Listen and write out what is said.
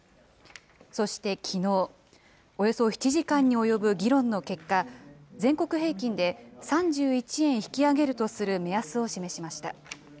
そしてきのう、およそ７時間に及ぶ議論の結果、全国平均で３１円引き上げるとする目安を示しました。